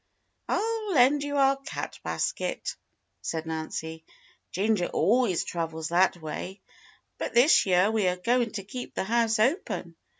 "I'll lend you our cat basket," said Nancy. "Gin ger always travels that way, but this year we are going to keep the house open.